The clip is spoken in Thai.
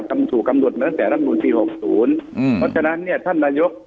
ถูกกำหนดมาตั้งแต่รัฐมนุนปีหกศูนย์อืมเพราะฉะนั้นเนี่ยท่านนายก